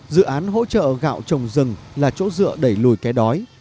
dự án hỗ trợ gạo trồng rừng là chỗ dựa đẩy lùi cái đói